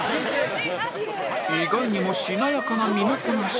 意外にもしなやかな身のこなし